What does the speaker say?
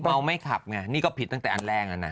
เบ้อไม่ขับไงนี่ก็ผิดตั้งแต่อันแรก